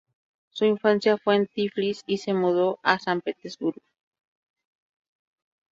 Su infancia fue en Tiflis y se mudó a San Petersburgo.